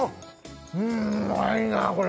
うんまいなこれ！